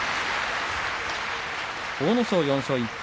阿武咲４勝１敗